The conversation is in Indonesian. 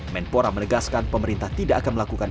menpora menegaskan pemerintah tidak akan melakukan